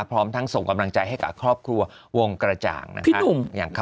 พร้อมทั้งส่งกำลังใจให้กับครอบครัววงกระจ่างนะคะ